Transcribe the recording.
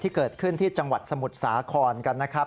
ที่เกิดขึ้นที่จังหวัดสมุทรสาครกันนะครับ